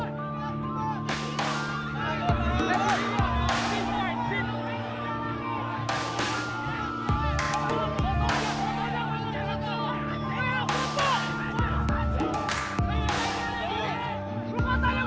saya siap untuk menjalani semua proses ini